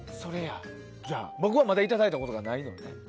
僕はまだいただいたことがないので。